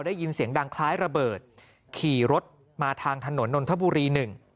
ได้ยินเสียงดังคล้ายระเบิดขี่รถมาทางถนนนนทบุรีหนึ่ง